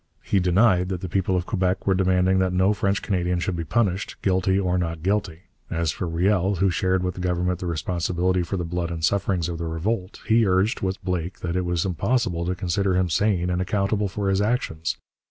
He denied that the people of Quebec were demanding that no French Canadian should be punished, guilty or not guilty. As for Riel, who shared with the Government the responsibility for the blood and sufferings of the revolt, he urged, with Blake, that it was impossible to consider him sane and accountable for his actions.